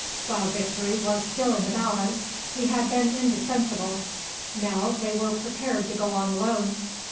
While victory was still in the balance he had been indispensable; now they were prepared to go on alone.